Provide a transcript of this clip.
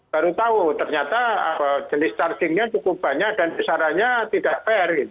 baru tahu ternyata jenis chargingnya cukup banyak dan besarannya tidak fair